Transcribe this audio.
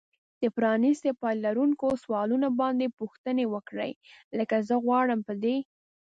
د پرانیستي پای لرونکو سوالونو باندې پوښتنې وکړئ. لکه زه غواړم په دې